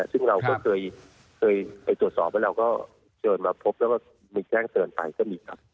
ซึ่งเราก็เคยไปตรวจสอบแล้วเราก็เชิญมาพบแล้วก็มีแจ้งเตือนไปก็มีครับ